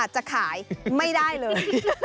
จะขายไม่ได้เลย